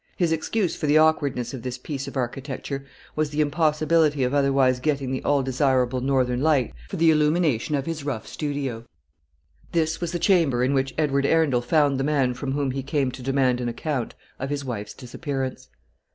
His excuse for the awkwardness of this piece of architecture was the impossibility of otherwise getting the all desirable northern light for the illumination of his rough studio. This was the chamber in which Edward Arundel found the man from whom he came to demand an account of his wife's disappearance.